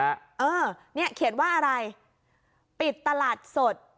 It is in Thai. เออเนี่ยเขียนว่าอะไรปิดตลาดสด